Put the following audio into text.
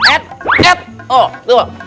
eh eh oh tuh